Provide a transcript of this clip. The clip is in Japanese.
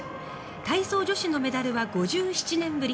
体操女子のメダルは５７年ぶり